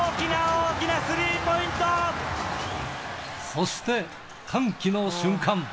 そして、歓喜の瞬間。